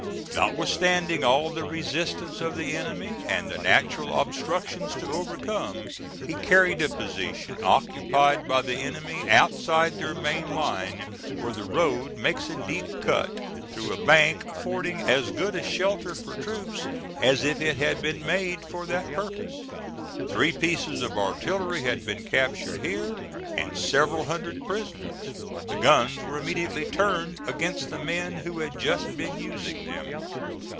Notwithstanding all the resistance of the enemy and the natural obstructions to overcome, he carried a position occupied by the enemy outside their main line where the road makes a deep cut through a bank affording as good a shelter for troops as if it had been made for that purpose. Three pieces of artillery had been captured here, and several hundred prisoners. The guns were immediately turned against the men who had just been using them.